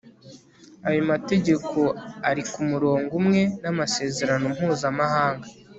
ayo mategeko ari ku murongo umwe n'amasezerano mpuzamahanga